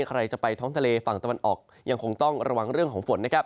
ใครจะไปท้องทะเลฝั่งตะวันออกยังคงต้องระวังเรื่องของฝนนะครับ